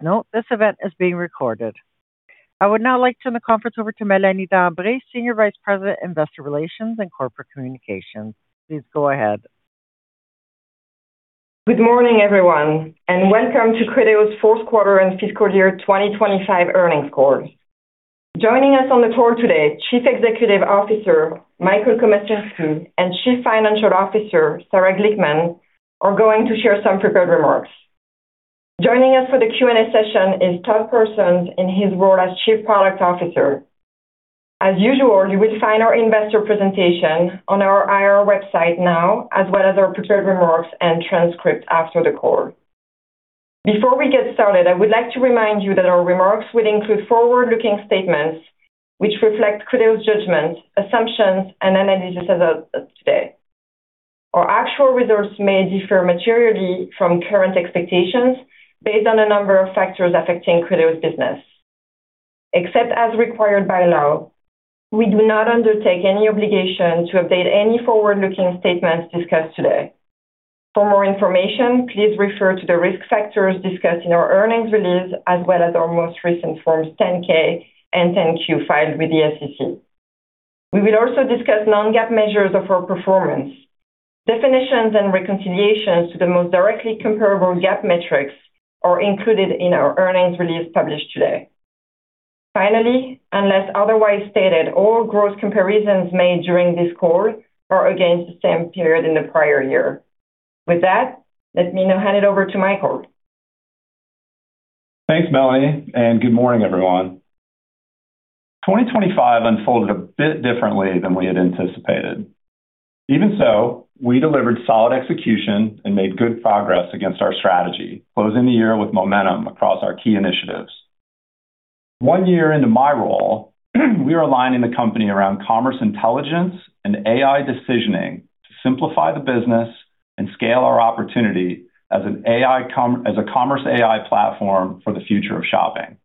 Note: this event is being recorded. I would now like to turn the conference over to Melanie Dambre, Senior Vice President, Investor Relations and Corporate Communications. Please go ahead. Good morning, everyone, and welcome to Criteo's fourth quarter and fiscal year 2025 earnings call. Joining us on the call today, Chief Executive Officer Michael Komasinski and Chief Financial Officer Sarah Glickman are going to share some prepared remarks. Joining us for the Q&A session is Todd Parsons in his role as Chief Product Officer. As usual, you will find our investor presentation on our IR website now, as well as our prepared remarks and transcript after the call. Before we get started, I would like to remind you that our remarks will include forward-looking statements which reflect Criteo's judgments, assumptions, and analysis as of today. Our actual results may differ materially from current expectations based on a number of factors affecting Criteo's business. Except as required by law, we do not undertake any obligation to update any forward-looking statements discussed today. For more information, please refer to the risk factors discussed in our earnings release, as well as our most recent Forms 10-K and 10-Q filed with the SEC. We will also discuss non-GAAP measures of our performance. Definitions and reconciliations to the most directly comparable GAAP metrics are included in our earnings release published today. Finally, unless otherwise stated, all gross comparisons made during this call are against the same period in the prior year. With that, let me now hand it over to Michael. Thanks, Melanie, and good morning, everyone. 2025 unfolded a bit differently than we had anticipated. Even so, we delivered solid execution and made good progress against our strategy, closing the year with momentum across our key initiatives. One year into my role, we are aligning the company around commerce intelligence and AI decisioning to simplify the business and scale our opportunity as a commerce AI platform for the future of shopping.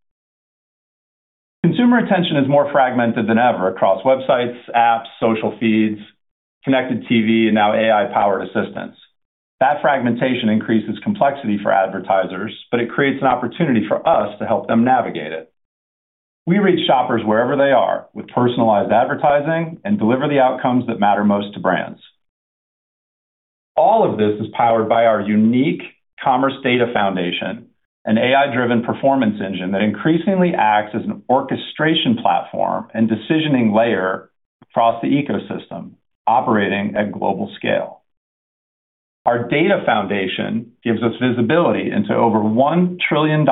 Consumer attention is more fragmented than ever across websites, apps, social feeds, connected TV, and now AI-powered assistants. That fragmentation increases complexity for advertisers, but it creates an opportunity for us to help them navigate it. We reach shoppers wherever they are with personalized advertising and deliver the outcomes that matter most to brands. All of this is powered by our unique commerce data foundation, an AI-driven performance engine that increasingly acts as an orchestration platform and decisioning layer across the ecosystem, operating at global scale. Our data foundation gives us visibility into over $1 trillion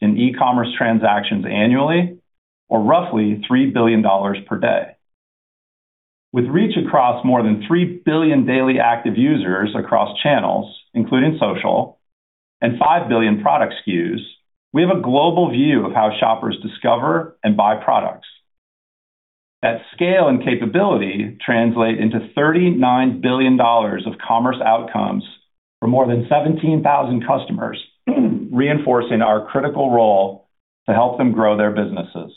in e-commerce transactions annually, or roughly $3 billion per day. With reach across more than 3 billion daily active users across channels, including social, and 5 billion product SKUs, we have a global view of how shoppers discover and buy products. That scale and capability translate into $39 billion of commerce outcomes for more than 17,000 customers, reinforcing our critical role to help them grow their businesses.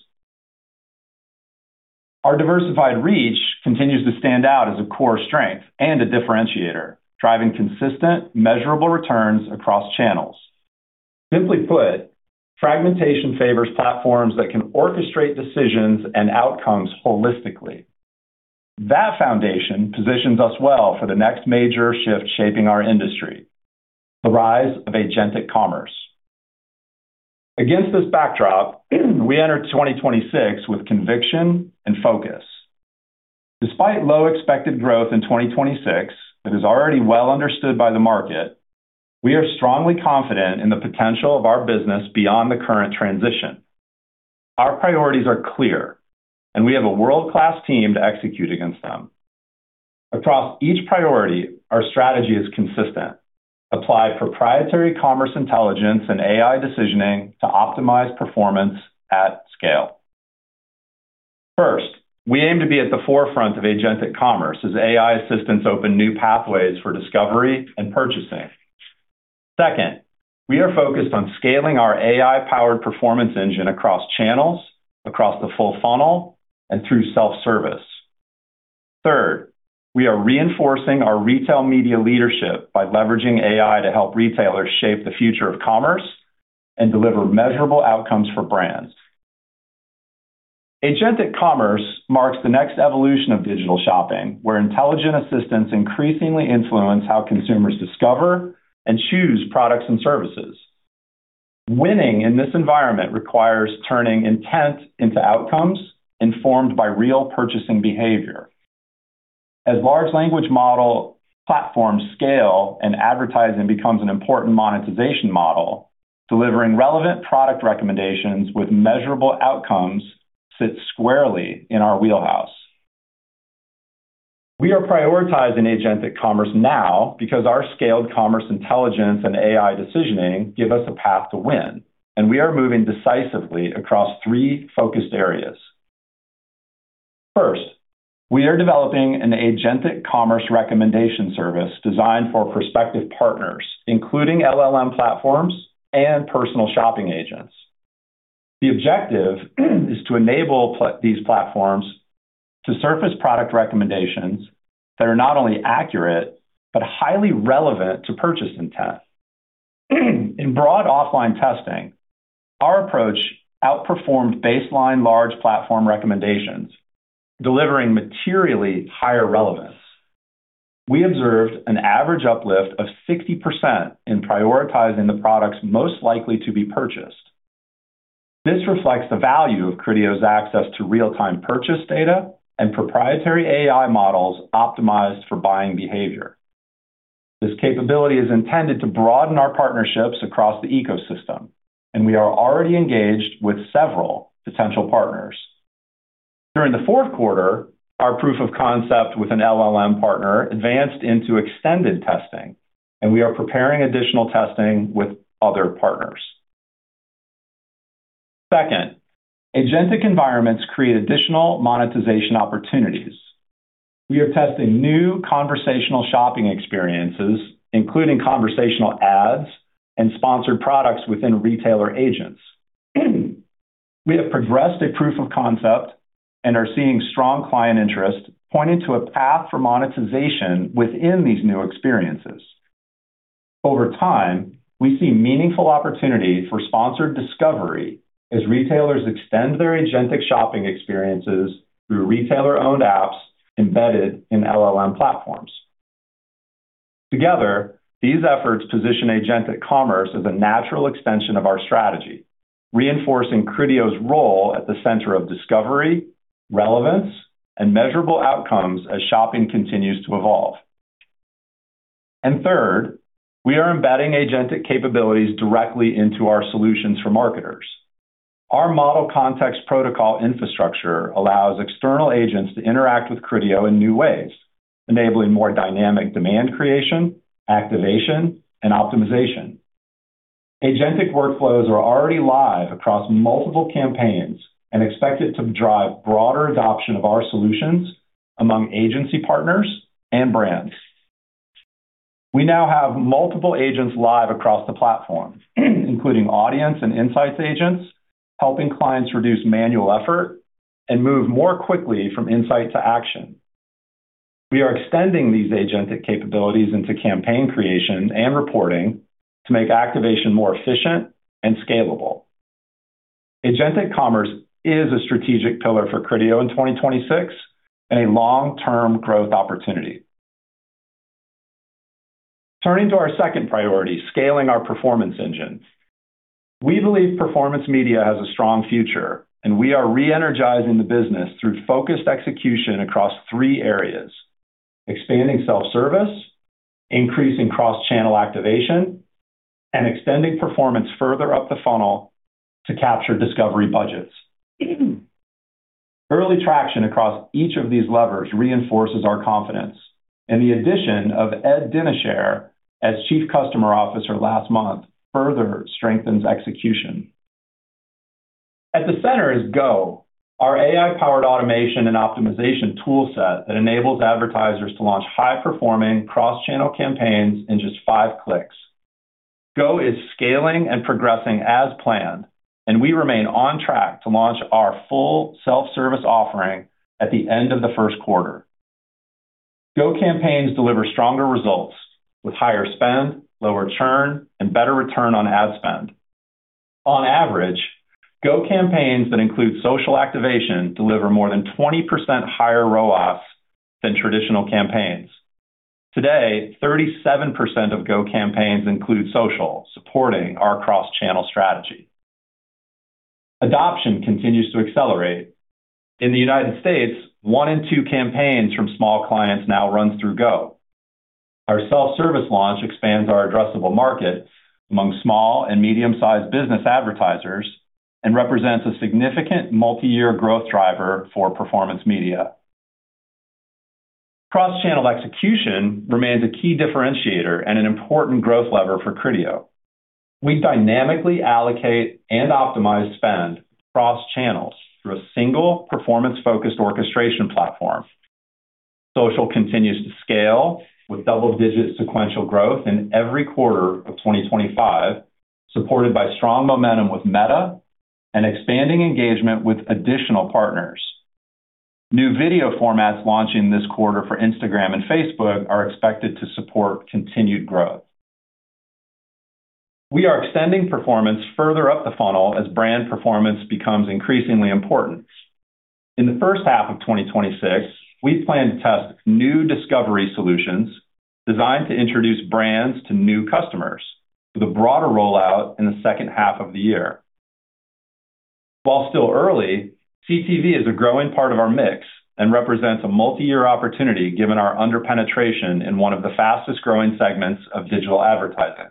Our diversified reach continues to stand out as a core strength and a differentiator, driving consistent, measurable returns across channels. Simply put, fragmentation favors platforms that can orchestrate decisions and outcomes holistically. That foundation positions us well for the next major shift shaping our industry: the rise of agentic commerce. Against this backdrop, we enter 2026 with conviction and focus. Despite low expected growth in 2026 that is already well understood by the market, we are strongly confident in the potential of our business beyond the current transition. Our priorities are clear, and we have a world-class team to execute against them. Across each priority, our strategy is consistent: apply proprietary commerce intelligence and AI decisioning to optimize performance at scale. First, we aim to be at the forefront of agentic commerce as AI assistants open new pathways for discovery and purchasing. Second, we are focused on scaling our AI-powered performance engine across channels, across the full funnel, and through self-service. Third, we are reinforcing our retail media leadership by leveraging AI to help retailers shape the future of commerce and deliver measurable outcomes for brands. Agentic commerce marks the next evolution of digital shopping, where intelligent assistants increasingly influence how consumers discover and choose products and services. Winning in this environment requires turning intent into outcomes informed by real purchasing behavior. As Large Language Model platforms scale and advertising becomes an important monetization model, delivering relevant product recommendations with measurable outcomes sits squarely in our wheelhouse. We are prioritizing agentic commerce now because our scaled commerce intelligence and AI decisioning give us a path to win, and we are moving decisively across three focused areas. First, we are developing an agentic commerce recommendation service designed for prospective partners, including LLM platforms and personal shopping agents. The objective is to enable these platforms to surface product recommendations that are not only accurate but highly relevant to purchase intent. In broad offline testing, our approach outperformed baseline large platform recommendations, delivering materially higher relevance. We observed an average uplift of 60% in prioritizing the products most likely to be purchased. This reflects the value of Criteo's access to real-time purchase data and proprietary AI models optimized for buying behavior. This capability is intended to broaden our partnerships across the ecosystem, and we are already engaged with several potential partners. During the fourth quarter, our proof of concept with an LLM partner advanced into extended testing, and we are preparing additional testing with other partners. Second, agentic environments create additional monetization opportunities. We are testing new conversational shopping experiences, including conversational ads and sponsored products within retailer agents. We have progressed a proof of concept and are seeing strong client interest pointing to a path for monetization within these new experiences. Over time, we see meaningful opportunity for sponsored discovery as retailers extend their agentic shopping experiences through retailer-owned apps embedded in LLM platforms. Together, these efforts position agentic commerce as a natural extension of our strategy, reinforcing Criteo's role at the center of discovery, relevance, and measurable outcomes as shopping continues to evolve. And third, we are embedding agentic capabilities directly into our solutions for marketers. Our Model Context Protocol infrastructure allows external agents to interact with Criteo in new ways, enabling more dynamic demand creation, activation, and optimization. Agentic workflows are already live across multiple campaigns and expected to drive broader adoption of our solutions among agency partners and brands. We now have multiple agents live across the platform, including audience and insights agents, helping clients reduce manual effort and move more quickly from insight to action. We are extending these agentic capabilities into campaign creation and reporting to make activation more efficient and scalable. Agentic commerce is a strategic pillar for Criteo in 2026 and a long-term growth opportunity. Turning to our second priority, scaling our performance engine. We believe performance media has a strong future, and we are re-energizing the business through focused execution across three areas: expanding self-service, increasing cross-channel activation, and extending performance further up the funnel to capture discovery budgets. Early traction across each of these levers reinforces our confidence, and the addition of Ed Dinichert as Chief Customer Officer last month further strengthens execution. At the center is Go, our AI-powered automation and optimization toolset that enables advertisers to launch high-performing cross-channel campaigns in just five clicks. Go is scaling and progressing as planned, and we remain on track to launch our full self-service offering at the end of the first quarter. Go campaigns deliver stronger results with higher spend, lower churn, and better return on ad spend. On average, Go campaigns that include social activation deliver more than 20% higher ROAS than traditional campaigns. Today, 37% of Go campaigns include social, supporting our cross-channel strategy. Adoption continues to accelerate. In the United States, one in two campaigns from small clients now runs through Go. Our self-service launch expands our addressable market among small and medium-sized business advertisers and represents a significant multi-year growth driver for performance media. Cross-channel execution remains a key differentiator and an important growth lever for Criteo. We dynamically allocate and optimize spend across channels through a single performance-focused orchestration platform. Social continues to scale with double-digit sequential growth in every quarter of 2025, supported by strong momentum with Meta and expanding engagement with additional partners. New video formats launching this quarter for Instagram and Facebook are expected to support continued growth. We are extending performance further up the funnel as brand performance becomes increasingly important. In the first half of 2026, we plan to test new discovery solutions designed to introduce brands to new customers with a broader rollout in the second half of the year. While still early, CTV is a growing part of our mix and represents a multi-year opportunity given our underpenetration in one of the fastest-growing segments of digital advertising.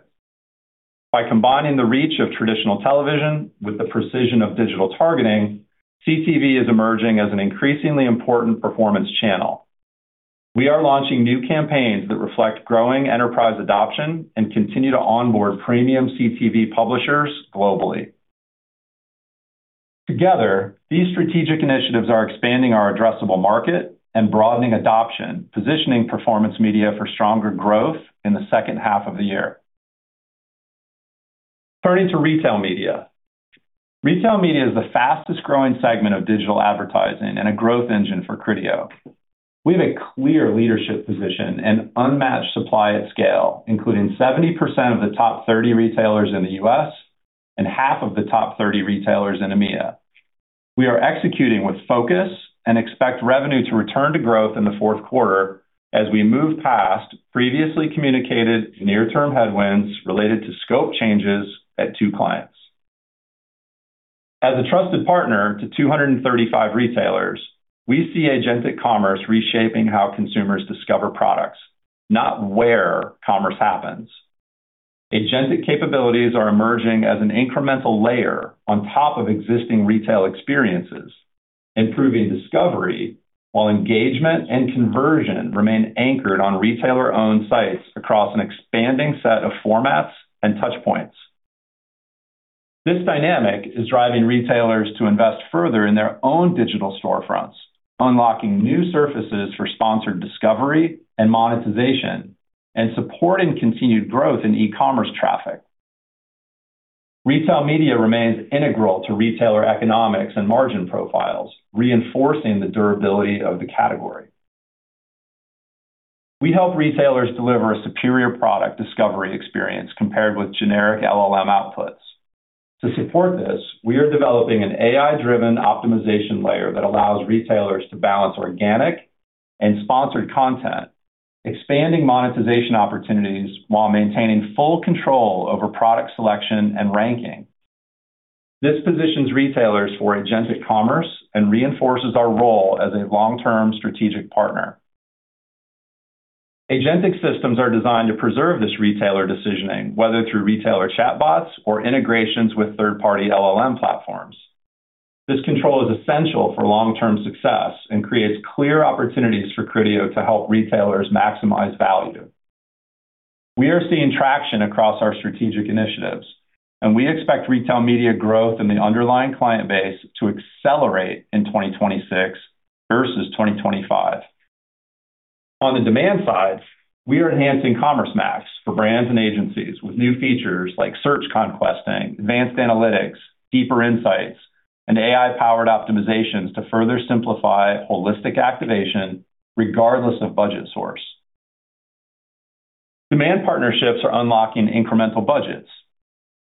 By combining the reach of traditional television with the precision of digital targeting, CTV is emerging as an increasingly important performance channel. We are launching new campaigns that reflect growing enterprise adoption and continue to onboard premium CTV publishers globally. Together, these strategic initiatives are expanding our addressable market and broadening adoption, positioning performance media for stronger growth in the second half of the year. Turning to retail media. Retail media is the fastest-growing segment of digital advertising and a growth engine for Criteo. We have a clear leadership position and unmatched supply at scale, including 70% of the top 30 retailers in the U.S. and half of the top 30 retailers in EMEA. We are executing with focus and expect revenue to return to growth in the fourth quarter as we move past previously communicated near-term headwinds related to scope changes at two clients. As a trusted partner to 235 retailers, we see agentic commerce reshaping how consumers discover products, not where commerce happens. Agentic capabilities are emerging as an incremental layer on top of existing retail experiences, improving discovery while engagement and conversion remain anchored on retailer-owned sites across an expanding set of formats and touchpoints. This dynamic is driving retailers to invest further in their own digital storefronts, unlocking new surfaces for sponsored discovery and monetization, and supporting continued growth in e-commerce traffic. Retail media remains integral to retailer economics and margin profiles, reinforcing the durability of the category. We help retailers deliver a superior product discovery experience compared with generic LLM outputs. To support this, we are developing an AI-driven optimization layer that allows retailers to balance organic and sponsored content, expanding monetization opportunities while maintaining full control over product selection and ranking. This positions retailers for agentic commerce and reinforces our role as a long-term strategic partner. Agentic systems are designed to preserve this retailer decisioning, whether through retailer chatbots or integrations with third-party LLM platforms. This control is essential for long-term success and creates clear opportunities for Criteo to help retailers maximize value. We are seeing traction across our strategic initiatives, and we expect retail media growth in the underlying client base to accelerate in 2026 versus 2025. On the demand side, we are enhancing Commerce Max for brands and agencies with new features like search conquesting, advanced analytics, deeper insights, and AI-powered optimizations to further simplify holistic activation regardless of budget source. Demand partnerships are unlocking incremental budgets.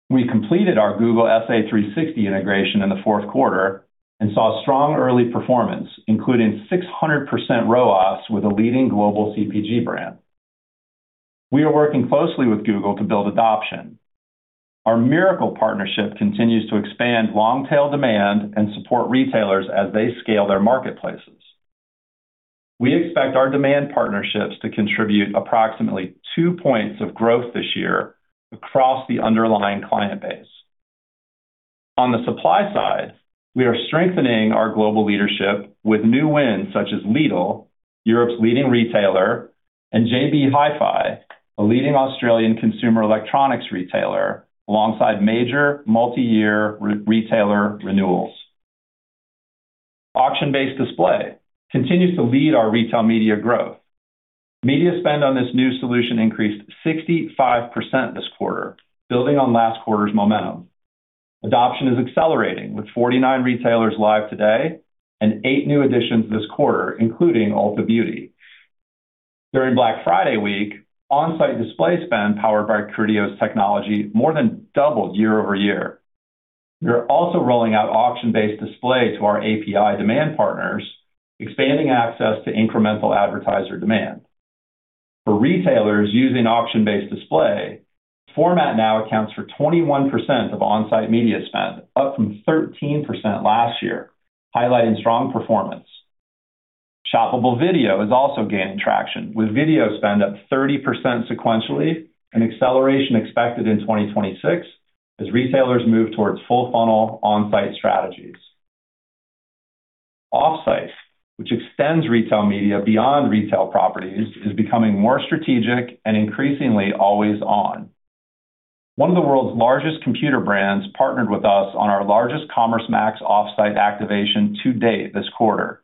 We completed our Google SA360 integration in the fourth quarter and saw strong early performance, including 600% ROAS with a leading global CPG brand. We are working closely with Google to build adoption. Our Mirakl partnership continues to expand long-tail demand and support retailers as they scale their marketplaces. We expect our demand partnerships to contribute approximately two points of growth this year across the underlying client base. On the supply side, we are strengthening our global leadership with new wins such as Lidl, Europe's leading retailer, and JB Hi-Fi, a leading Australian consumer electronics retailer, alongside major multi-year retailer renewals. Auction-based display continues to lead our retail media growth. Media spend on this new solution increased 65% this quarter, building on last quarter's momentum. Adoption is accelerating with 49 retailers live today and eight new additions this quarter, including Ulta Beauty. During Black Friday week, on-site display spend powered by Criteo's technology more than doubled year-over-year. We are also rolling out auction-based display to our API demand partners, expanding access to incremental advertiser demand. For retailers using auction-based display, format now accounts for 21% of on-site media spend, up from 13% last year, highlighting strong performance. Shoppable video is also gaining traction with video spend up 30% sequentially, an acceleration expected in 2026 as retailers move towards full-funnel on-site strategies. Off-site, which extends retail media beyond retail properties, is becoming more strategic and increasingly always-on. One of the world's largest computer brands partnered with us on our largest Commerce Max off-site activation to date this quarter.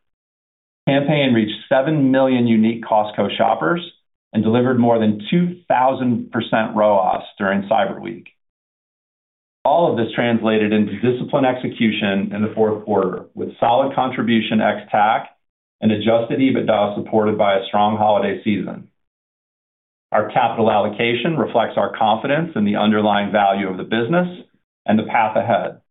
Campaign reached 7 million unique Costco shoppers and delivered more than 2,000% ROAS during Cyber Week. All of this translated into disciplined execution in the fourth quarter with solid contribution ex-TAC and Adjusted EBITDA supported by a strong holiday season. Our capital allocation reflects our confidence in the underlying value of the business and the path ahead.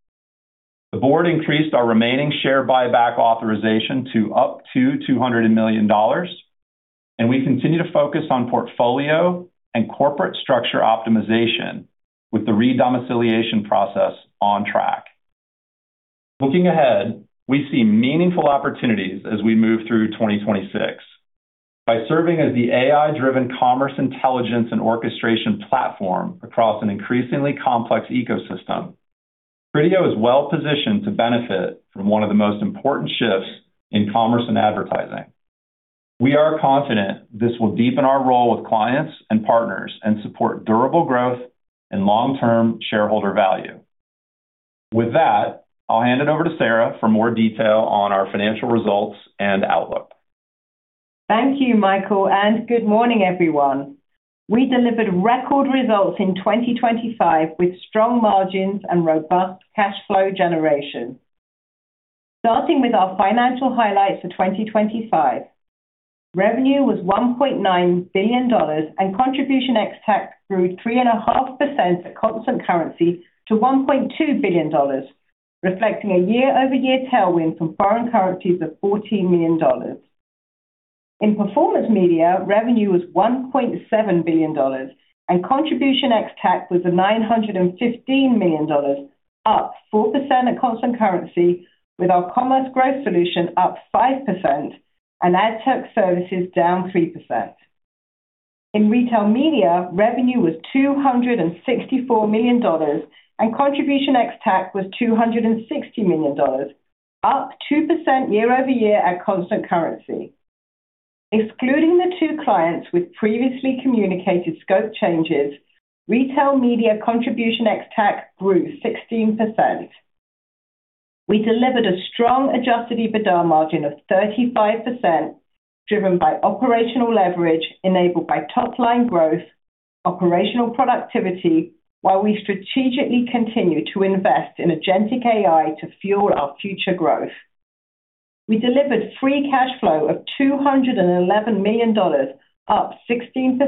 The board increased our remaining share buyback authorization to up to $200 million, and we continue to focus on portfolio and corporate structure optimization with the redomiciliation process on track. Looking ahead, we see meaningful opportunities as we move through 2026. By serving as the AI-driven commerce intelligence and orchestration platform across an increasingly complex ecosystem, Criteo is well-positioned to benefit from one of the most important shifts in commerce and advertising. We are confident this will deepen our role with clients and partners and support durable growth and long-term shareholder value. With that, I'll hand it over to Sarah for more detail on our financial results and outlook. Thank you, Michael, and good morning, everyone. We delivered record results in 2025 with strong margins and robust cash flow generation. Starting with our financial highlights for 2025. Revenue was $1.9 billion, and contribution ex-TAC grew 3.5% at constant currency to $1.2 billion, reflecting a year-over-year tailwind from foreign currencies of $14 million. In performance media, revenue was $1.7 billion, and contribution ex-TAC was $915 million, up 4% at constant currency, with our Commerce Growth solution up 5% and ad tech services down 3%. In retail media, revenue was $264 million, and contribution ex-TAC was $260 million, up 2% year-over-year at constant currency. Excluding the two clients with previously communicated scope changes, retail media contribution ex-TAC grew 16%. We delivered a strong adjusted EBITDA margin of 35%, driven by operational leverage enabled by top-line growth, operational productivity, while we strategically continue to invest in agentic AI to fuel our future growth. We delivered free cash flow of $211 million, up 16%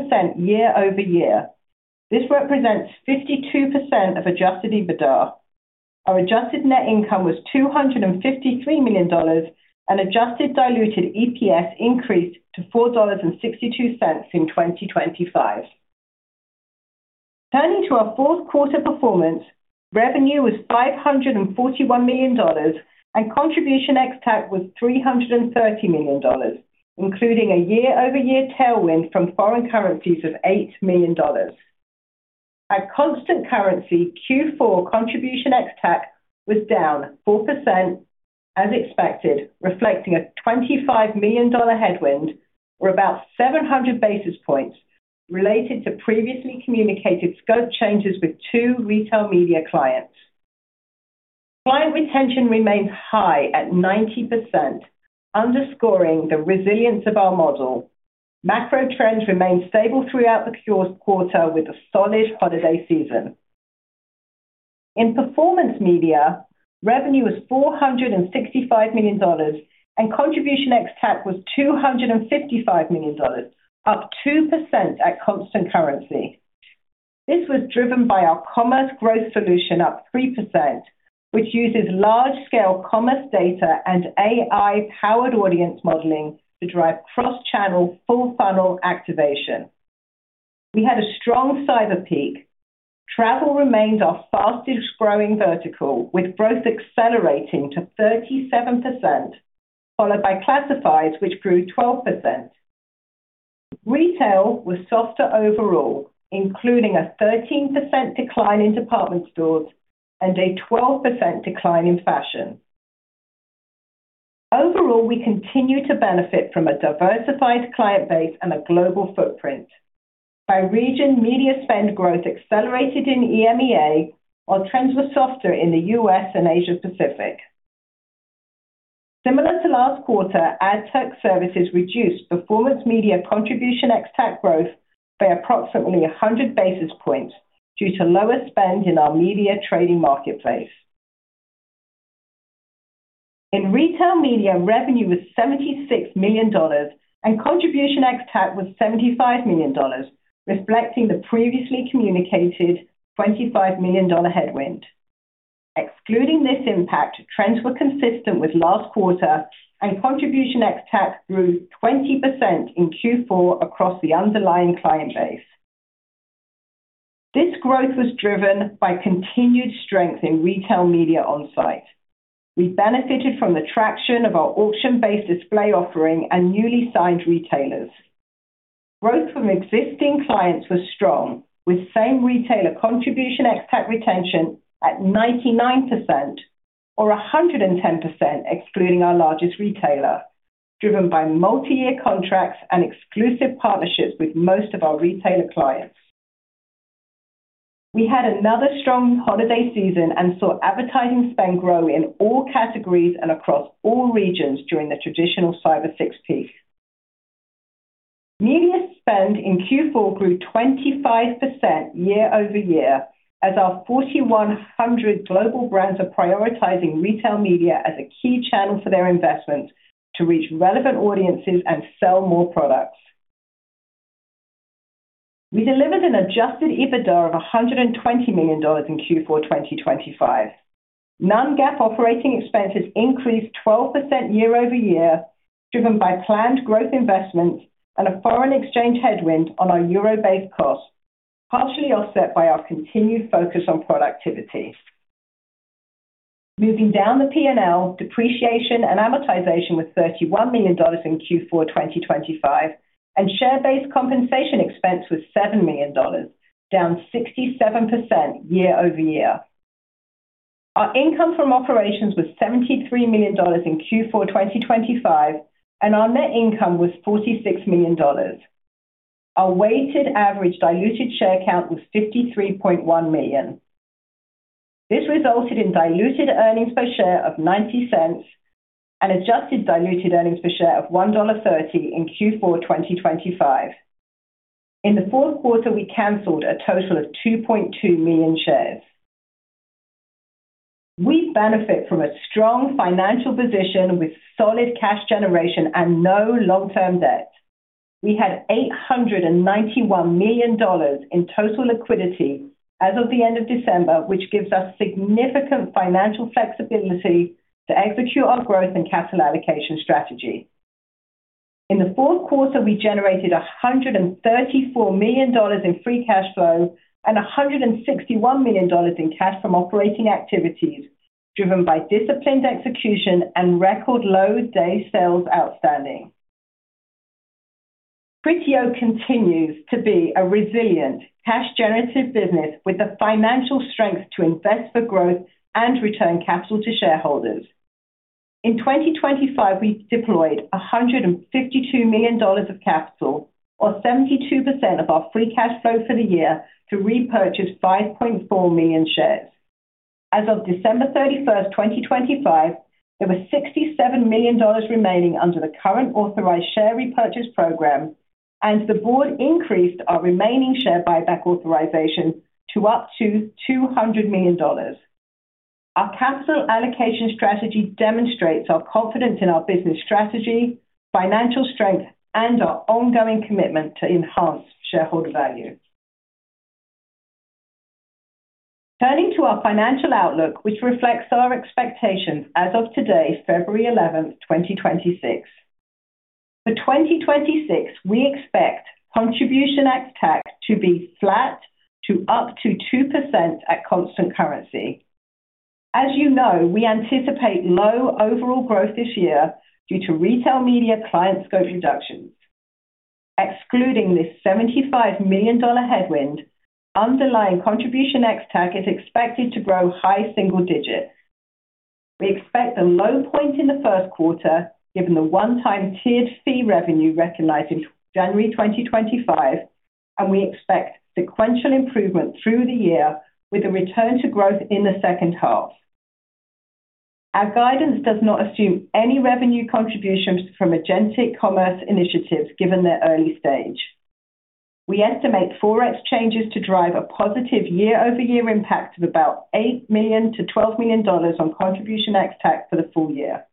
year-over-year. This represents 52% of Adjusted EBITDA. Our adjusted net income was $253 million, and adjusted diluted EPS increased to $4.62 in 2025. Turning to our fourth quarter performance, revenue was $541 million, and contribution ex-TAC was $330 million, including a year-over-year tailwind from foreign currencies of $8 million. At constant currency, Q4 contribution ex-TAC was down 4% as expected, reflecting a $25 million headwind or about 700 basis points related to previously communicated scope changes with two retail media clients. Client retention remains high at 90%, underscoring the resilience of our model. Macro trends remain stable throughout the quarter with a solid holiday season. In performance media, revenue was $465 million, and contribution ex-TAC was $255 million, up 2% at constant currency. This was driven by our Commerce Growth solution up 3%, which uses large-scale commerce data and AI-powered audience modeling to drive cross-channel full-funnel activation. We had a strong cyber peak. Travel remained our fastest-growing vertical, with growth accelerating to 37%, followed by classifieds, which grew 12%. Retail was softer overall, including a 13% decline in department stores and a 12% decline in fashion. Overall, we continue to benefit from a diversified client base and a global footprint. By region, media spend growth accelerated in EMEA, while trends were softer in the U.S. and Asia Pacific. Similar to last quarter, ad tech services reduced performance media contribution ex-TAC growth by approximately 100 basis points due to lower spend in our media trading marketplace. In retail media, revenue was $76 million, and contribution ex-TAC was $75 million, reflecting the previously communicated $25 million headwind. Excluding this impact, trends were consistent with last quarter, and contribution ex-TAC grew 20% in Q4 across the underlying client base. This growth was driven by continued strength in retail media on-site. We benefited from the traction of our auction-based display offering and newly signed retailers. Growth from existing clients was strong, with same retailer contribution ex-TAC retention at 99% or 110% excluding our largest retailer, driven by multi-year contracts and exclusive partnerships with most of our retailer clients. We had another strong holiday season and saw advertising spend grow in all categories and across all regions during the traditional Cyber Six peak. Media spend in Q4 grew 25% year-over-year as our 4,100 global brands are prioritizing retail media as a key channel for their investments to reach relevant audiences and sell more products. We delivered an Adjusted EBITDA of $120 million in Q4 2025. Non-GAAP operating expenses increased 12% year-over-year, driven by planned growth investments and a foreign exchange headwind on our euro-based costs, partially offset by our continued focus on productivity. Moving down the P&L, depreciation and amortization were $31 million in Q4 2025, and share-based compensation expense was $7 million, down 67% year-over-year. Our income from operations was $73 million in Q4 2025, and our net income was $46 million. Our weighted average diluted share count was 53.1 million. This resulted in diluted earnings per share of $0.90 and adjusted diluted earnings per share of $1.30 in Q4 2025. In the fourth quarter, we canceled a total of 2.2 million shares. We benefit from a strong financial position with solid cash generation and no long-term debt. We had $891 million in total liquidity as of the end of December, which gives us significant financial flexibility to execute our growth and capital allocation strategy. In the fourth quarter, we generated $134 million in free cash flow and $161 million in cash from operating activities, driven by disciplined execution and record low Day Sales Outstanding. Criteo continues to be a resilient, cash-generative business with the financial strength to invest for growth and return capital to shareholders. In 2025, we deployed $152 million of capital, or 72% of our free cash flow for the year, to repurchase 5.4 million shares. As of December 31st, 2025, there were $67 million remaining under the current authorized share repurchase program, and the board increased our remaining share buyback authorization to up to $200 million. Our capital allocation strategy demonstrates our confidence in our business strategy, financial strength, and our ongoing commitment to enhance shareholder value. Turning to our financial outlook, which reflects our expectations as of today, February 11th, 2026. For 2026, we expect Contribution ex-TAC to be flat to up to 2% at constant currency. As you know, we anticipate low overall growth this year due to retail media client scope reductions. Excluding this $75 million headwind, underlying Contribution ex-TAC is expected to grow high single digits. We expect the low point in the first quarter, given the one-time tiered fee revenue recognized in January 2025, and we expect sequential improvement through the year with a return to growth in the second half. Our guidance does not assume any revenue contributions from agentic commerce initiatives, given their early stage. We estimate forex changes to drive a positive year-over-year impact of about $8 million-$12 million on contribution ex-TAC for the full year.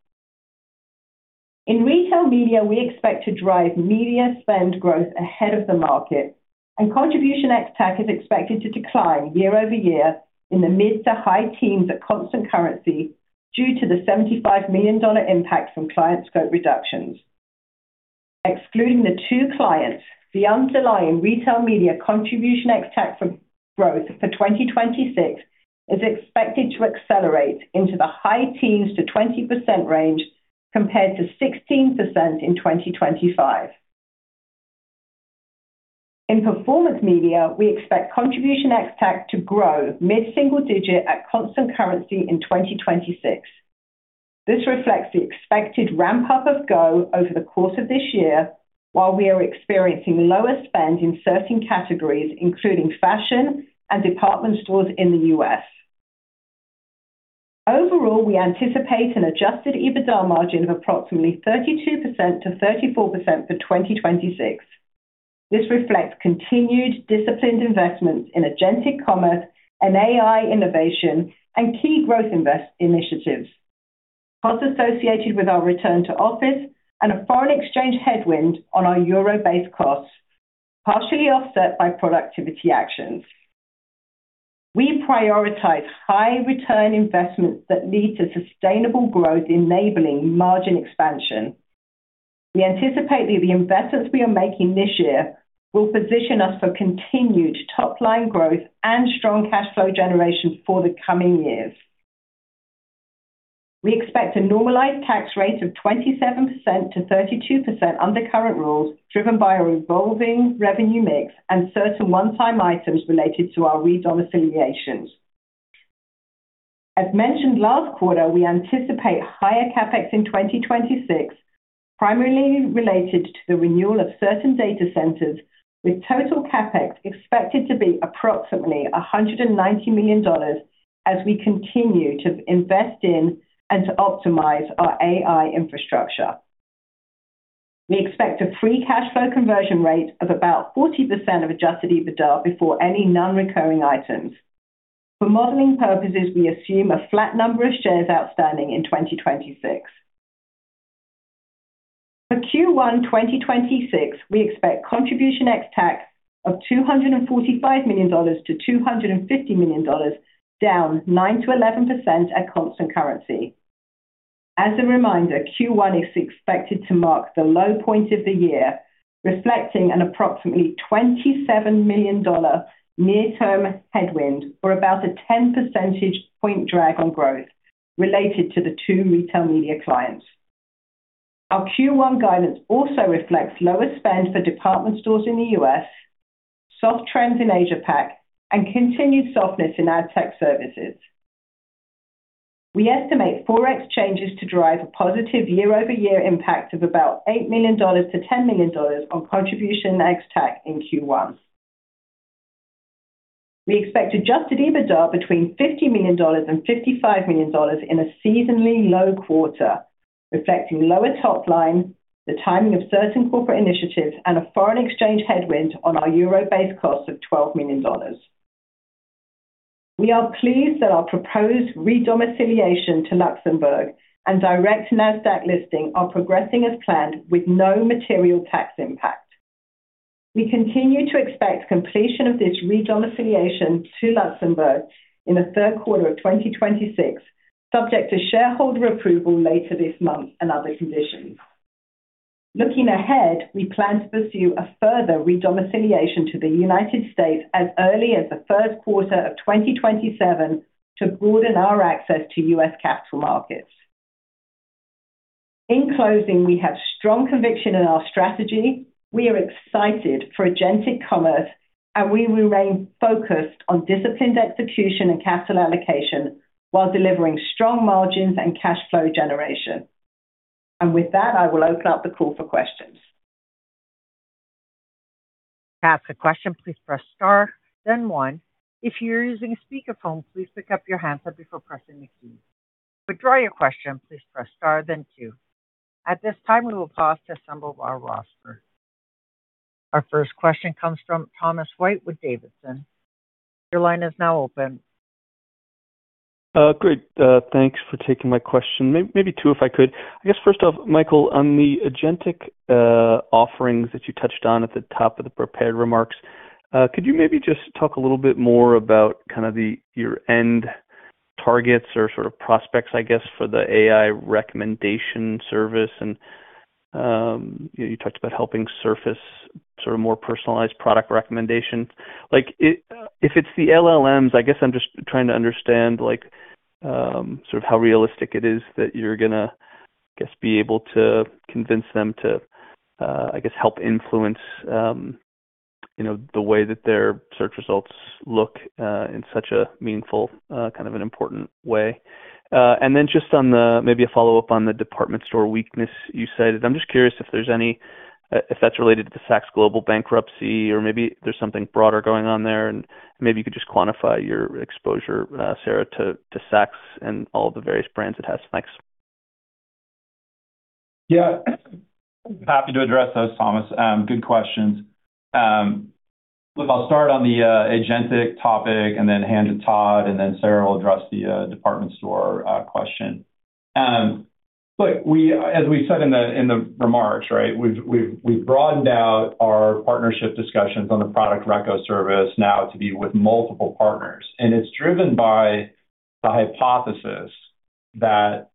In retail media, we expect to drive media spend growth ahead of the market, and contribution ex-TAC is expected to decline year over year in the mid to high teens at constant currency due to the $75 million impact from client scope reductions. Excluding the two clients, the underlying retail media Contribution ex-TAC for growth for 2026 is expected to accelerate into the high teens-20% range compared to 16% in 2025. In performance media, we expect Contribution ex-TAC to grow mid-single-digit at constant currency in 2026. This reflects the expected ramp-up of Go over the course of this year, while we are experiencing lower spend in certain categories, including fashion and department stores in the U.S. Overall, we anticipate an Adjusted EBITDA margin of approximately 32%-34% for 2026. This reflects continued disciplined investments in agentic commerce and AI innovation and key growth initiatives. Costs associated with our return to office and a foreign exchange headwind on our euro-based costs, partially offset by productivity actions. We prioritize high return investments that lead to sustainable growth, enabling margin expansion. We anticipate that the investments we are making this year will position us for continued top-line growth and strong cash flow generation for the coming years. We expect a normalized tax rate of 27%-32% under current rules, driven by a revolving revenue mix and certain one-time items related to our redomiciliations. As mentioned last quarter, we anticipate higher CapEx in 2026, primarily related to the renewal of certain data centers, with total CapEx expected to be approximately $190 million as we continue to invest in and to optimize our AI infrastructure. We expect a free cash flow conversion rate of about 40% of Adjusted EBITDA before any non-recurring items. For modeling purposes, we assume a flat number of shares outstanding in 2026. For Q1 2026, we expect Contribution ex-TAC of $245 million-$250 million, down 9%-11% at constant currency. As a reminder, Q1 is expected to mark the low point of the year, reflecting an approximately $27 million near-term headwind or about a 10 percentage point drag on growth related to the two retail media clients. Our Q1 guidance also reflects lower spend for department stores in the US, soft trends in Asia Pac, and continued softness in ad tech services. We estimate forex changes to drive a positive year-over-year impact of about $8 million-$10 million on contribution ex-TAC in Q1. We expect Adjusted EBITDA between $50 million and $55 million in a seasonally low quarter, reflecting lower top line, the timing of certain corporate initiatives, and a foreign exchange headwind on our euro-based costs of $12 million. We are pleased that our proposed redomiciliation to Luxembourg and direct NASDAQ listing are progressing as planned, with no material tax impact. We continue to expect completion of this redomiciliation to Luxembourg in the third quarter of 2026, subject to shareholder approval later this month and other conditions. Looking ahead, we plan to pursue a further redomiciliation to the United States as early as the first quarter of 2027 to broaden our access to U.S. capital markets. In closing, we have strong conviction in our strategy. We are excited for agentic commerce, and we remain focused on disciplined execution and capital allocation while delivering strong margins and cash flow generation. And with that, I will open up the call for questions. To ask a question, please press star, then one. If you're using a speakerphone, please pick up your handset before pressing the keys. To withdraw your question, please press star, then two. At this time, we will pause to assemble our roster. Our first question comes from Tom White with D.A. Davidson. Your line is now open. Great. Thanks for taking my question. Maybe two, if I could. I guess, first off, Michael, on the agentic offerings that you touched on at the top of the prepared remarks, could you maybe just talk a little bit more about kind of your end targets or sort of prospects, I guess, for the AI recommendation service? And you talked about helping surface sort of more personalized product recommendations. If it's the LLMs, I guess I'm just trying to understand sort of how realistic it is that you're going to, I guess, be able to convince them to, I guess, help influence the way that their search results look in such a meaningful, kind of an important way. And then just maybe a follow-up on the department store weakness you cited. I'm just curious if that's related to the Saks Global bankruptcy, or maybe there's something broader going on there, and maybe you could just quantify your exposure, Sarah, to Saks and all of the various brands it has. Thanks. Yeah. Happy to address those, Thomas. Good questions. Look, I'll start on the agentic topic and then hand to Todd, and then Sarah will address the department store question. Look, as we said in the remarks, right, we've broadened out our partnership discussions on the product reco service now to be with multiple partners. And it's driven by the hypothesis that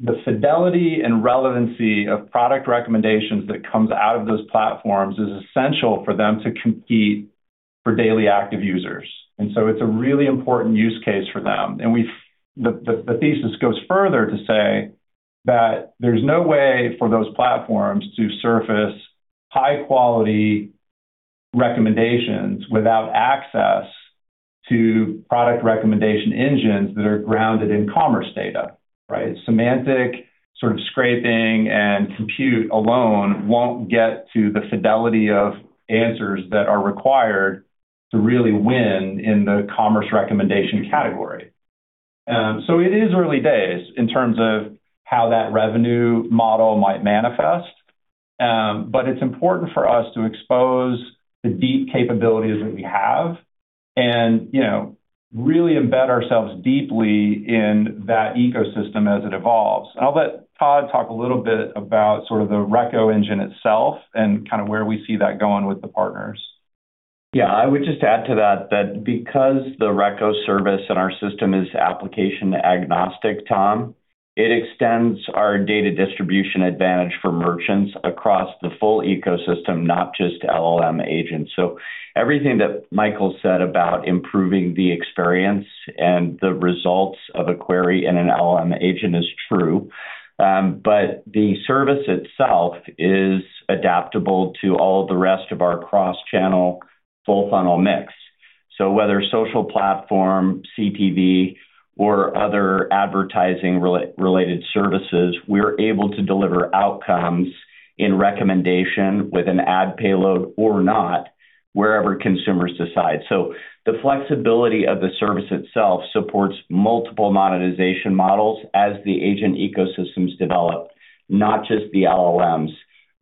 the fidelity and relevancy of product recommendations that comes out of those platforms is essential for them to compete for daily active users. And so it's a really important use case for them. And the thesis goes further to say that there's no way for those platforms to surface high-quality recommendations without access to product recommendation engines that are grounded in commerce data, right? Semantic sort of scraping and compute alone won't get to the fidelity of answers that are required to really win in the commerce recommendation category. It is early days in terms of how that revenue model might manifest. But it's important for us to expose the deep capabilities that we have and really embed ourselves deeply in that ecosystem as it evolves. I'll let Todd talk a little bit about sort of the reco engine itself and kind of where we see that going with the partners. Yeah. I would just add to that that because the reco service and our system is application agnostic, Tom, it extends our data distribution advantage for merchants across the full ecosystem, not just LLM agents. So everything that Michael said about improving the experience and the results of a query in an LLM agent is true. But the service itself is adaptable to all of the rest of our cross-channel full-funnel mix. So whether social platform, CTV, or other advertising-related services, we're able to deliver outcomes in recommendation with an ad payload or not wherever consumers decide. So the flexibility of the service itself supports multiple monetization models as the agent ecosystems develop, not just the LLMs,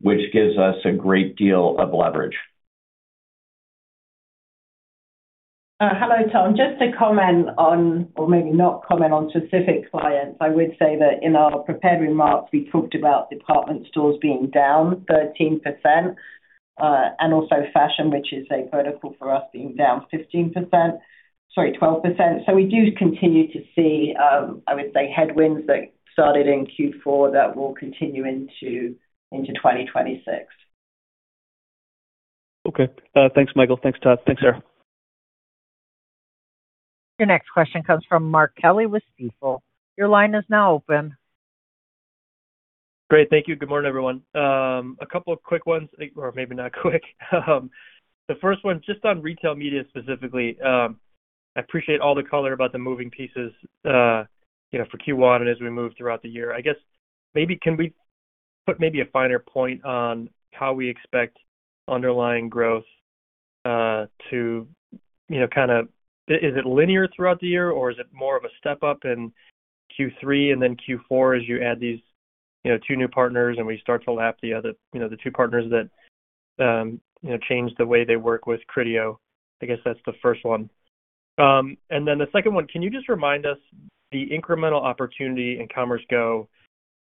which gives us a great deal of leverage. Hello, Tom. Just to comment on, or maybe not comment on, specific clients, I would say that in our prepared remarks, we talked about department stores being down 13% and also fashion, which is a vertical for us, being down 15%, sorry, 12%. So we do continue to see, I would say, headwinds that started in Q4 that will continue into 2026. Okay. Thanks, Michael. Thanks, Todd. Thanks, Sarah. Your next question comes from Mark Kelley with Stifel. Your line is now open. Great. Thank you. Good morning, everyone. A couple of quick ones, or maybe not quick. The first one, just on retail media specifically, I appreciate all the color about the moving pieces for Q1 and as we move throughout the year. I guess maybe can we put maybe a finer point on how we expect underlying growth to kind of is it linear throughout the year, or is it more of a step up in Q3 and then Q4 as you add these two new partners and we start to lap the other two partners that changed the way they work with Criteo? I guess that's the first one. And then the second one, can you just remind us the incremental opportunity in CommerceGo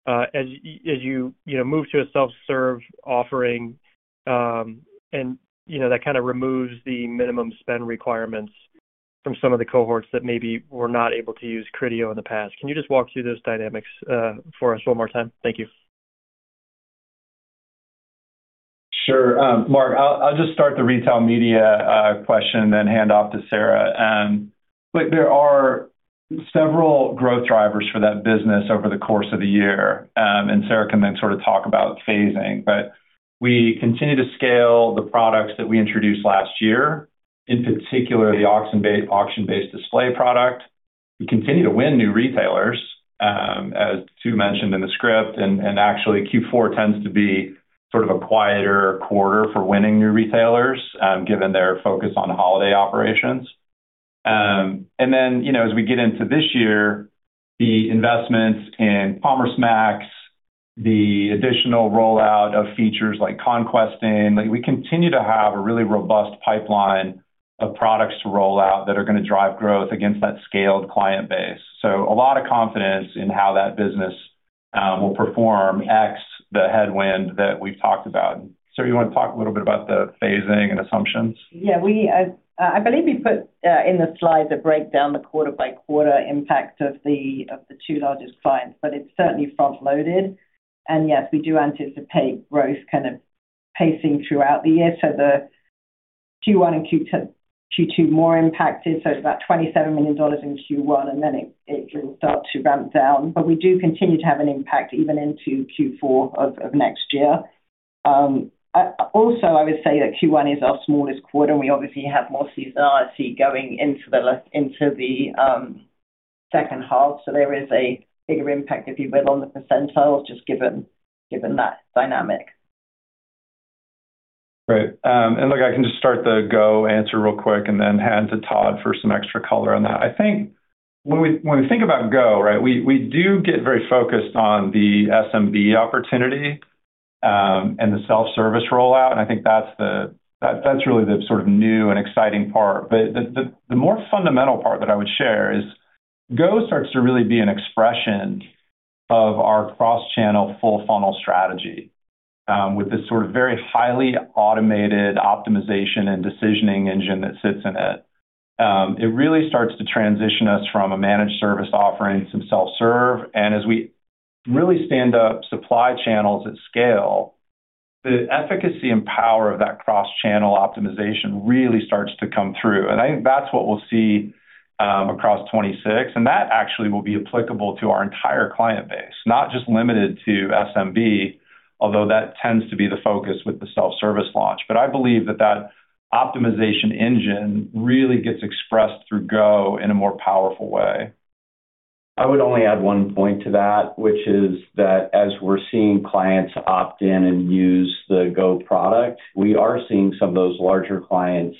as you move to a self-serve offering and that kind of removes the minimum spend requirements from some of the cohorts that maybe were not able to use Criteo in the past? Can you just walk through those dynamics for us one more time? Thank you. Sure. Mark, I'll just start the retail media question and then hand off to Sarah. Look, there are several growth drivers for that business over the course of the year, and Sarah can then sort of talk about phasing. But we continue to scale the products that we introduced last year, in particular, the auction-based display product. We continue to win new retailers, as Todd mentioned in the script. And actually, Q4 tends to be sort of a quieter quarter for winning new retailers, given their focus on holiday operations. And then as we get into this year, the investments in CommerceMax, the additional rollout of features like Conquesting, we continue to have a really robust pipeline of products to roll out that are going to drive growth against that scaled client base. So, a lot of confidence in how that business will perform despite the headwind that we've talked about. Sarah, you want to talk a little bit about the phasing and assumptions? Yeah. I believe we put in the slides a breakdown, the quarter-by-quarter impact of the two largest clients, but it's certainly front-loaded. Yes, we do anticipate growth kind of pacing throughout the year. The Q1 and Q2 more impacted. It's about $27 million in Q1, and then it will start to ramp down. We do continue to have an impact even into Q4 of next year. Also, I would say that Q1 is our smallest quarter, and we obviously have more seasonality going into the second half. There is a bigger impact, if you will, on the percentiles, just given that dynamic. Great. And look, I can just start the Go answer real quick and then hand to Todd for some extra color on that. I think when we think about Go, right, we do get very focused on the SMB opportunity and the self-service rollout. And I think that's really the sort of new and exciting part. But the more fundamental part that I would share is Go starts to really be an expression of our cross-channel full-funnel strategy with this sort of very highly automated optimization and decisioning engine that sits in it. It really starts to transition us from a managed service offering to some self-serve. And as we really stand up supply channels at scale, the efficacy and power of that cross-channel optimization really starts to come through. And I think that's what we'll see across 2026. That actually will be applicable to our entire client base, not just limited to SMB, although that tends to be the focus with the self-service launch. I believe that that optimization engine really gets expressed through Go in a more powerful way. I would only add one point to that, which is that as we're seeing clients opt in and use the Go product, we are seeing some of those larger clients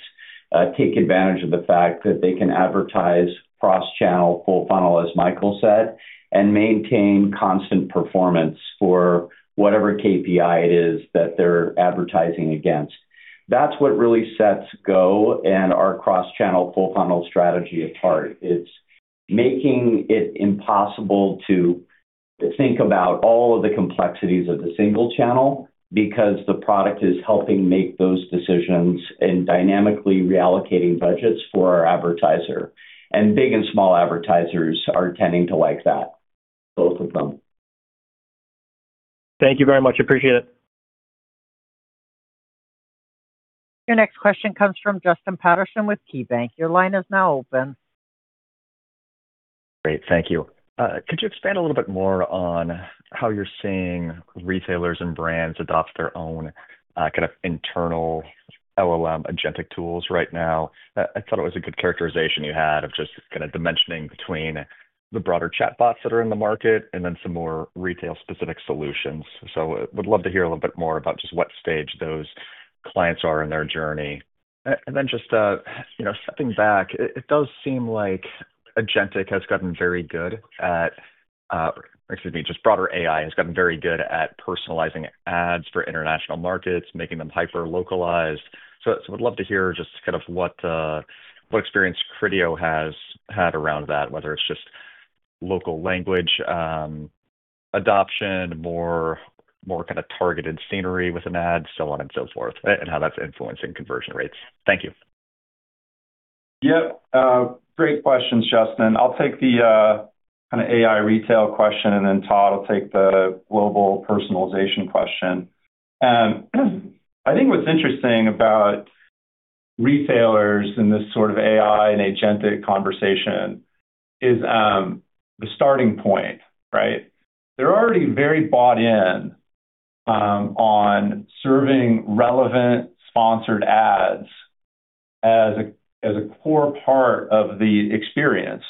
take advantage of the fact that they can advertise cross-channel full-funnel, as Michael said, and maintain constant performance for whatever KPI it is that they're advertising against. That's what really sets Go and our cross-channel full-funnel strategy apart. It's making it impossible to think about all of the complexities of the single channel because the product is helping make those decisions and dynamically reallocating budgets for our advertiser. And big and small advertisers are tending to like that, both of them. Thank you very much. Appreciate it. Your next question comes from Justin Patterson with KeyBanc. Your line is now open. Great. Thank you. Could you expand a little bit more on how you're seeing retailers and brands adopt their own kind of internal LLM agentic tools right now? I thought it was a good characterization you had of just kind of dimensioning between the broader chatbots that are in the market and then some more retail-specific solutions. So I would love to hear a little bit more about just what stage those clients are in their journey. And then just stepping back, it does seem like agentic has gotten very good at, excuse me, just broader AI has gotten very good at personalizing ads for international markets, making them hyper-localized. I would love to hear just kind of what experience Criteo has had around that, whether it's just local language adoption, more kind of targeted scenario with an ad, so on and so forth, and how that's influencing conversion rates. Thank you. Yep. Great questions, Justin. I'll take the kind of AI retail question, and then Todd will take the global personalization question. I think what's interesting about retailers in this sort of AI and agentic conversation is the starting point, right? They're already very bought in on serving relevant sponsored ads as a core part of the experience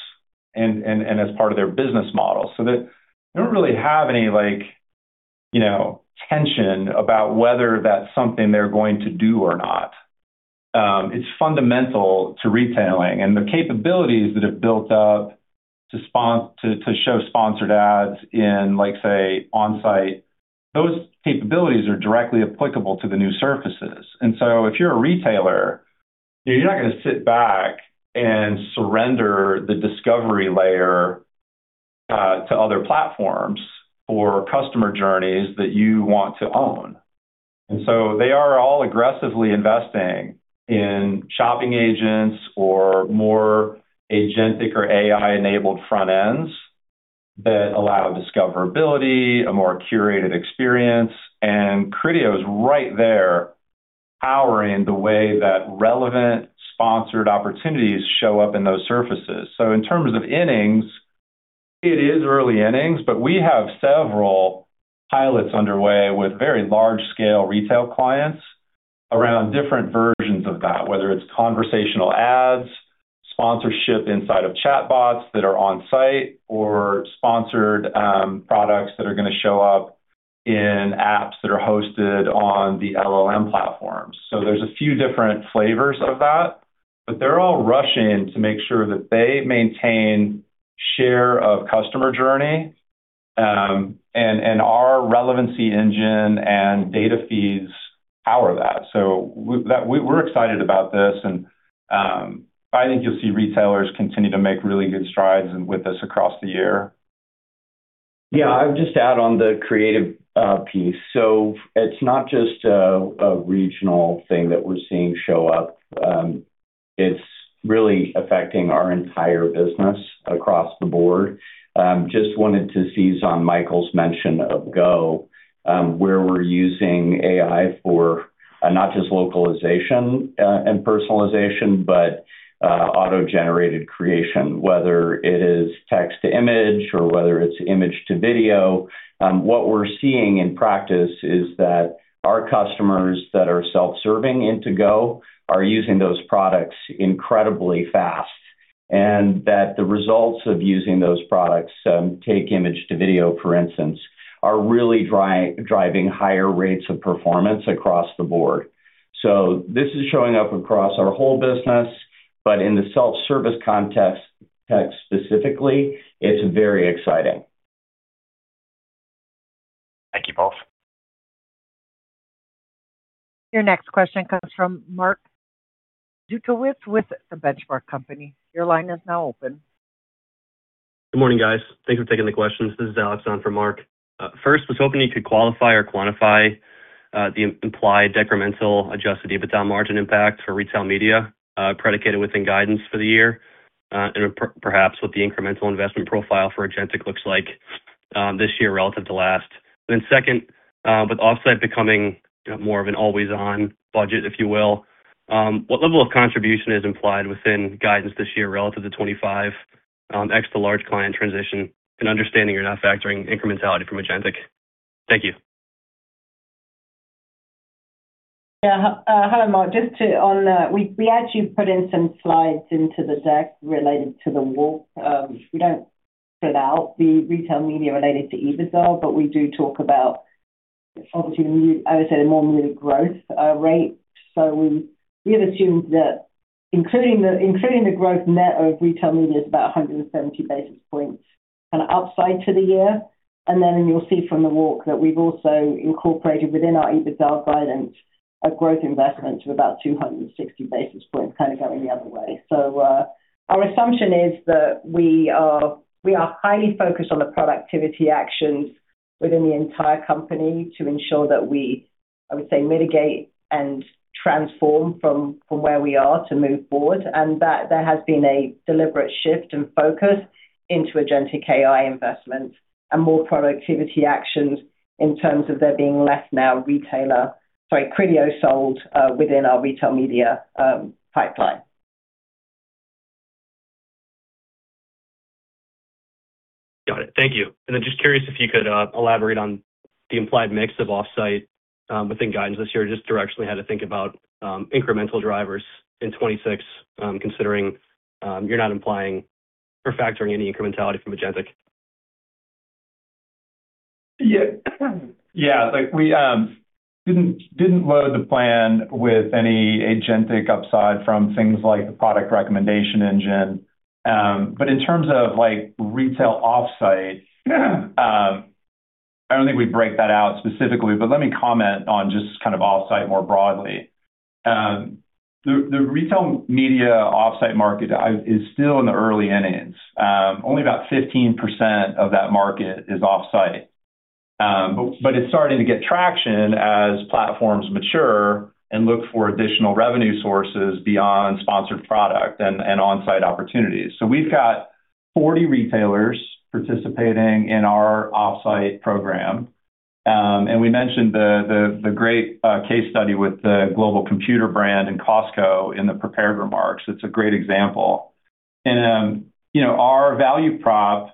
and as part of their business model. So they don't really have any tension about whether that's something they're going to do or not. It's fundamental to retailing. And the capabilities that have built up to show sponsored ads in, say, on-site, those capabilities are directly applicable to the new surfaces. And so if you're a retailer, you're not going to sit back and surrender the discovery layer to other platforms or customer journeys that you want to own. And so they are all aggressively investing in shopping agents or more agentic or AI-enabled front ends that allow discoverability, a more curated experience. And Criteo is right there powering the way that relevant sponsored opportunities show up in those surfaces. So in terms of innings, it is early innings, but we have several pilots underway with very large-scale retail clients around different versions of that, whether it's conversational ads, sponsorship inside of chatbots that are on-site, or sponsored products that are going to show up in apps that are hosted on the LLM platforms. So there's a few different flavors of that, but they're all rushing to make sure that they maintain share of customer journey. And our relevancy engine and data feeds power that. So we're excited about this. And I think you'll see retailers continue to make really good strides with this across the year. Yeah. I would just add on the creative piece. So it's not just a regional thing that we're seeing show up. It's really affecting our entire business across the board. Just wanted to seize on Michael's mention of Go, where we're using AI for not just localization and personalization, but auto-generated creation, whether it is text to image or whether it's image to video. What we're seeing in practice is that our customers that are self-serving into Go are using those products incredibly fast and that the results of using those products, take image to video, for instance, are really driving higher rates of performance across the board. So this is showing up across our whole business, but in the self-service context specifically, it's very exciting. Thank you both. Your next question comes from Mark Zgutowicz with The Benchmark Company. Your line is now open. Good morning, guys. Thanks for taking the questions. This is Alex on for Mark. First, was hoping you could qualify or quantify the implied decremental Adjusted EBITDA margin impact for retail media predicated within guidance for the year and perhaps what the incremental investment profile for agentic looks like this year relative to last. And then second, with offsite becoming more of an always-on budget, if you will, what level of contribution is implied within guidance this year relative to 2025 ex the large client transition and understanding you're not factoring incrementality from agentic? Thank you. Yeah. Hello, Mark. Just on that, we actually put in some slides into the deck related to the walk. We don't spread out the retail media related to EBITDA, but we do talk about, obviously, I would say the more newly growth rate. So we have assumed that including the growth net of retail media is about 170 basis points kind of upside to the year. And then you'll see from the walk that we've also incorporated within our EBITDA guidance a growth investment of about 260 basis points kind of going the other way. So our assumption is that we are highly focused on the productivity actions within the entire company to ensure that we, I would say, mitigate and transform from where we are to move forward. that there has been a deliberate shift and focus into agentic AI investments and more productivity actions in terms of there being less now retailer sorry, Criteo sold within our retail media pipeline. Got it. Thank you. And then just curious if you could elaborate on the implied mix of offsite within guidance this year, just directionally how to think about incremental drivers in 2026 considering you're not implying or factoring any incrementality from agentic? Yeah. Yeah. We didn't load the plan with any agentic upside from things like the product recommendation engine. But in terms of retail offsite, I don't think we break that out specifically. But let me comment on just kind of offsite more broadly. The retail media offsite market is still in the early innings. Only about 15% of that market is offsite. But it's starting to get traction as platforms mature and look for additional revenue sources beyond sponsored product and onsite opportunities. So we've got 40 retailers participating in our offsite program. And we mentioned the great case study with the global computer brand and Costco in the prepared remarks. It's a great example. Our value prop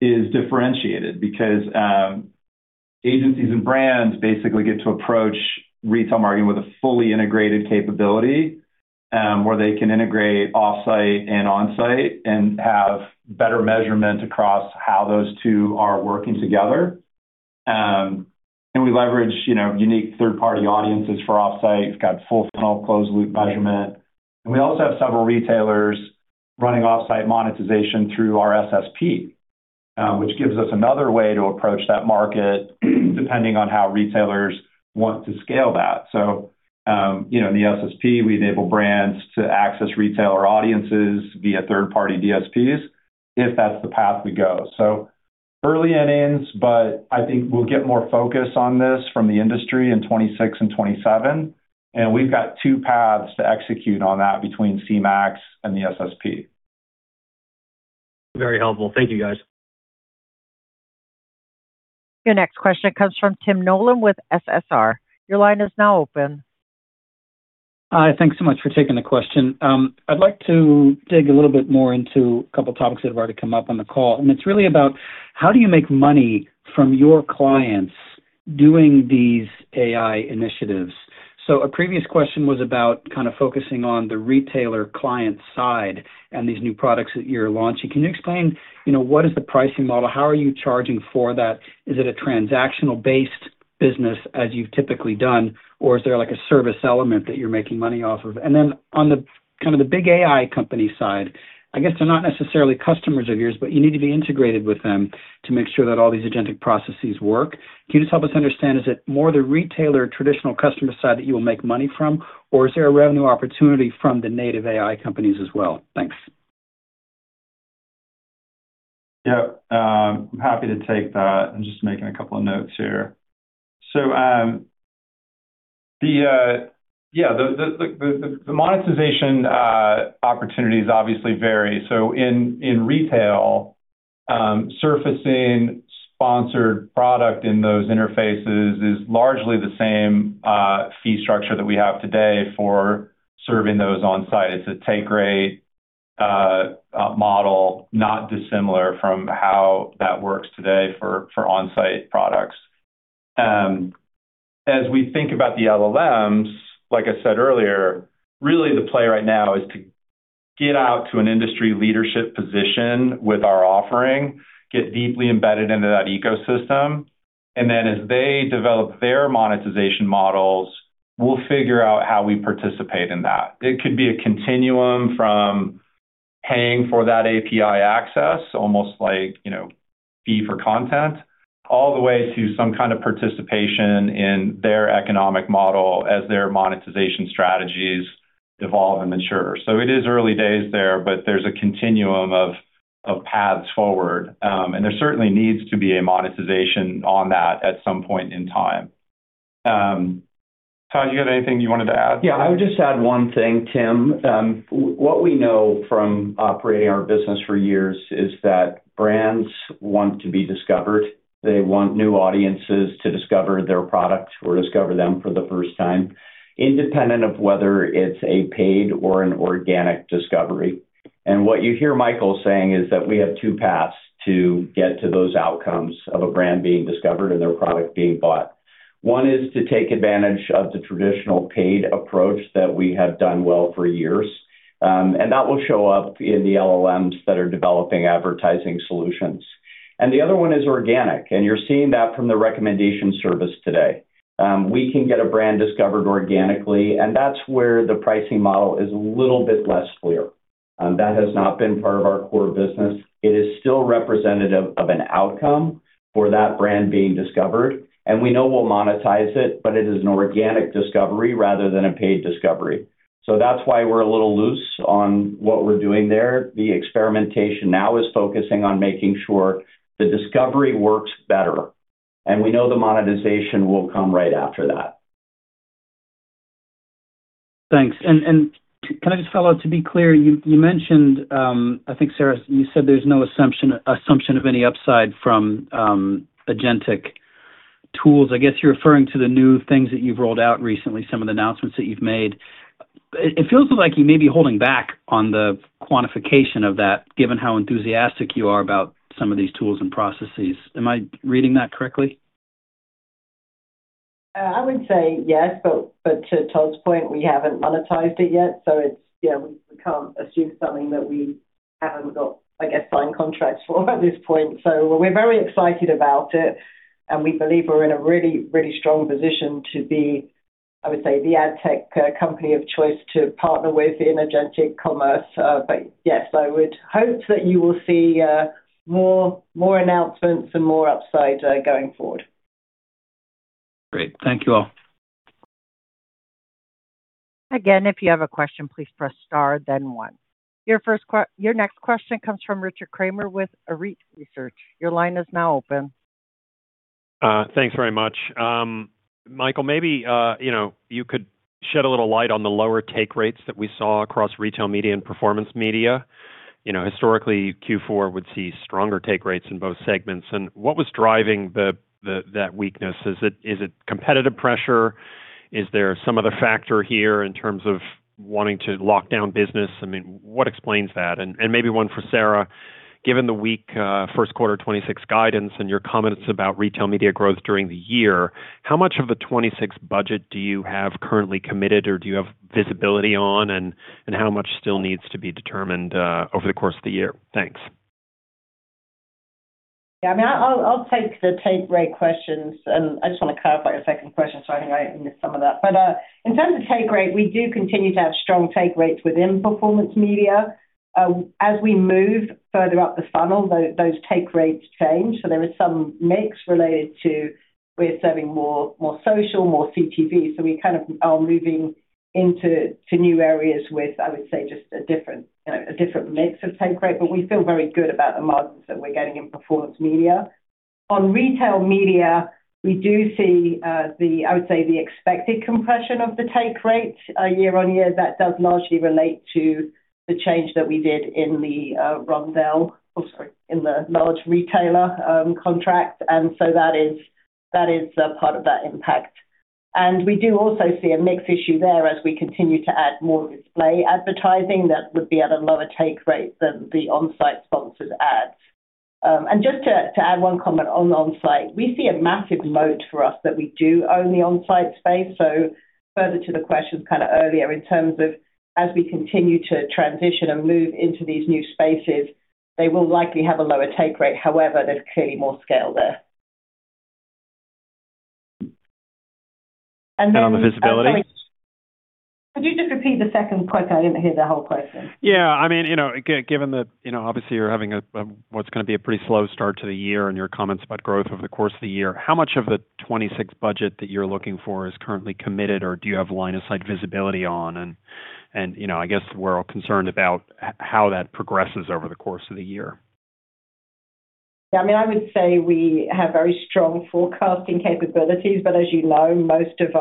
is differentiated because agencies and brands basically get to approach retail marketing with a fully integrated capability where they can integrate offsite and onsite and have better measurement across how those two are working together. We leverage unique third-party audiences for offsite. We've got full-funnel, closed-loop measurement. We also have several retailers running offsite monetization through our SSP, which gives us another way to approach that market depending on how retailers want to scale that. In the SSP, we enable brands to access retailer audiences via third-party DSPs if that's the path we go. Early innings, but I think we'll get more focus on this from the industry in 2026 and 2027. We've got two paths to execute on that between CMAX and the SSP. Very helpful. Thank you, guys. Your next question comes from Tim Nollen with Macquarie. Your line is now open. Hi. Thanks so much for taking the question. I'd like to dig a little bit more into a couple of topics that have already come up on the call. And it's really about how do you make money from your clients doing these AI initiatives? So a previous question was about kind of focusing on the retailer client side and these new products that you're launching. Can you explain what is the pricing model? How are you charging for that? Is it a transactional-based business as you've typically done, or is there a service element that you're making money off of? And then on kind of the big AI company side, I guess they're not necessarily customers of yours, but you need to be integrated with them to make sure that all these agentic processes work. Can you just help us understand, is it more the retailer traditional customer side that you will make money from, or is there a revenue opportunity from the native AI companies as well? Thanks. Yeah. I'm happy to take that. I'm just making a couple of notes here. So yeah, the monetization opportunities obviously vary. So in retail, surfacing sponsored product in those interfaces is largely the same fee structure that we have today for serving those onsite. It's a take rate model not dissimilar from how that works today for onsite products. As we think about the LLMs, like I said earlier, really, the play right now is to get out to an industry leadership position with our offering, get deeply embedded into that ecosystem. And then as they develop their monetization models, we'll figure out how we participate in that. It could be a continuum from paying for that API access, almost like fee for content, all the way to some kind of participation in their economic model as their monetization strategies evolve and mature. So it is early days there, but there's a continuum of paths forward. And there certainly needs to be a monetization on that at some point in time. Todd, you had anything you wanted to add? Yeah. I would just add one thing, Tim. What we know from operating our business for years is that brands want to be discovered. They want new audiences to discover their product or discover them for the first time, independent of whether it's a paid or an organic discovery. And what you hear Michael saying is that we have two paths to get to those outcomes of a brand being discovered and their product being bought. One is to take advantage of the traditional paid approach that we have done well for years. And that will show up in the LLMs that are developing advertising solutions. And the other one is organic. And you're seeing that from the recommendation service today. We can get a brand discovered organically, and that's where the pricing model is a little bit less clear. That has not been part of our core business. It is still representative of an outcome for that brand being discovered. We know we'll monetize it, but it is an organic discovery rather than a paid discovery. That's why we're a little loose on what we're doing there. The experimentation now is focusing on making sure the discovery works better. We know the monetization will come right after that. Thanks. And can I just follow up? To be clear, you mentioned, I think, Sarah, you said there's no assumption of any upside from agentic tools. I guess you're referring to the new things that you've rolled out recently, some of the announcements that you've made. It feels like you may be holding back on the quantification of that, given how enthusiastic you are about some of these tools and processes. Am I reading that correctly? I would say yes, but to Todd's point, we haven't monetized it yet. So yeah, we can't assume something that we haven't got assigned contracts for at this point. So we're very excited about it, and we believe we're in a really, really strong position to be, I would say, the ad tech company of choice to partner with in agentic commerce. But yes, I would hope that you will see more announcements and more upside going forward. Great. Thank you all. Again, if you have a question, please press star, then one. Your next question comes from Richard Kramer with Arete Research. Your line is now open. Thanks very much. Michael, maybe you could shed a little light on the lower take rates that we saw across retail media and performance media. Historically, Q4 would see stronger take rates in both segments. What was driving that weakness? Is it competitive pressure? Is there some other factor here in terms of wanting to lock down business? I mean, what explains that? Maybe one for Sarah, given the weak first quarter 2026 guidance and your comments about retail media growth during the year, how much of the 2026 budget do you have currently committed or do you have visibility on, and how much still needs to be determined over the course of the year? Thanks. Yeah. I mean, I'll take the take rate questions. I just want to clarify your second question, so I think I missed some of that. But in terms of take rate, we do continue to have strong take rates within performance media. As we move further up the funnel, those take rates change. So there is some mix related to we're serving more social, more CTV. So we kind of are moving into new areas with, I would say, just a different mix of take rate. But we feel very good about the margins that we're getting in performance media. On retail media, we do see, I would say, the expected compression of the take rate year-over-year. That does largely relate to the change that we did in the Roundel, oh, sorry, in the large retailer contract. So that is part of that impact. And we do also see a mix issue there as we continue to add more display advertising that would be at a lower take rate than the onsite sponsored ads. And just to add one comment on onsite, we see a massive moat for us that we do own the onsite space. So further to the questions kind of earlier in terms of as we continue to transition and move into these new spaces, they will likely have a lower take rate. However, there's clearly more scale there. And then. On the visibility? Could you just repeat the second question? I didn't hear the whole question. Yeah. I mean, given that obviously, you're having what's going to be a pretty slow start to the year and your comments about growth over the course of the year, how much of the 2026 budget that you're looking for is currently committed, or do you have line of sight visibility on? I guess we're all concerned about how that progresses over the course of the year. Yeah. I mean, I would say we have very strong forecasting capabilities. But as you know, most of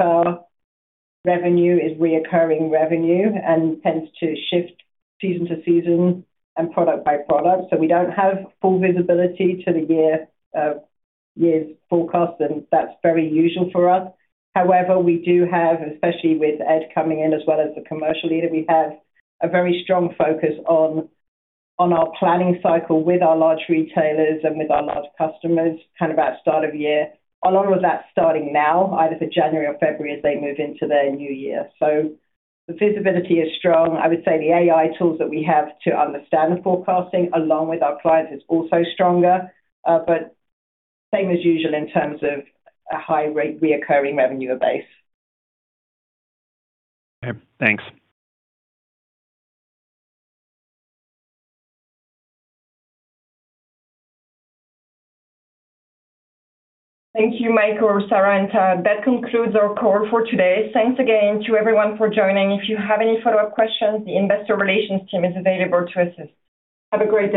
our revenue is recurring revenue and tends to shift season to season and product by product. So we don't have full visibility to the year's forecast, and that's very usual for us. However, we do have, especially with Ed coming in as well as the commercial leader, we have a very strong focus on our planning cycle with our large retailers and with our large customers kind of at start of year, along with that starting now, either for January or February as they move into their new year. So the visibility is strong. I would say the AI tools that we have to understand the forecasting along with our clients is also stronger. But same as usual in terms of a high recurring revenue base. Okay. Thanks. Thank you, Michael, Sarah, and Todd, and that concludes our call for today. Thanks again to everyone for joining. If you have any follow-up questions, the investor relations team is available to assist. Have a great day.